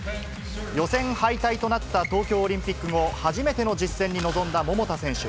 予選敗退となった東京オリンピック後、初めての実戦に臨んだ桃田選手。